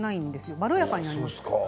まろやかになります